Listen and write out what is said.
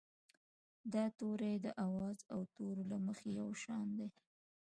دا توري د آواز او تورو له مخې یو شان وي.